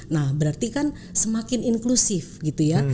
nah berarti kan semakin inklusif gitu ya